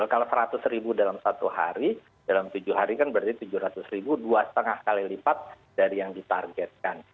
kalau seratus ribu dalam satu hari dalam tujuh hari kan berarti tujuh ratus ribu dua lima kali lipat dari yang ditargetkan